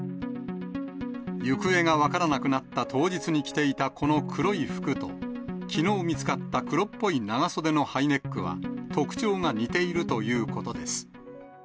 行方が分からなくなった当日に着ていたこの黒い服ときのう見つかった黒っぽい長袖のハイネックは、特徴が似ているということです。